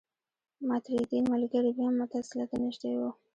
ماتریدي ملګري بیا معتزله ته نژدې وو.